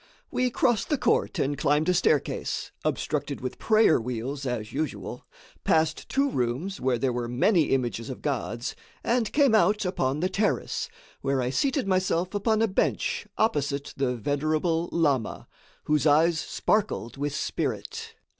We crossed the court and climbed a staircase obstructed with prayer wheels, as usual passed two rooms where there were many images of gods, and came out upon the terrace, where I seated myself upon a bench opposite the venerable lama, whose eyes sparkled with spirit.